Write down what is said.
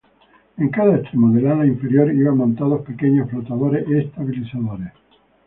En cada extremo del ala inferior iban montados pequeños flotadores estabilizadores.